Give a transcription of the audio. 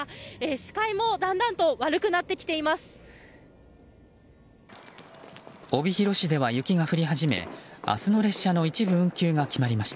視界もだんだんと悪くなってきています。